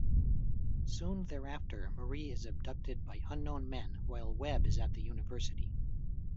Soon thereafter, Marie is abducted by unknown men while Webb is at the university.